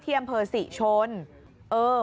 ที่อำเภอศิชย์ชน